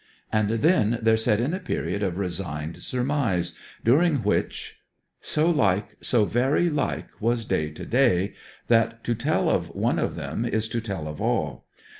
And then there set in a period of resigned surmise, during which So like, so very like, was day to day, that to tell of one of them is to tell of all.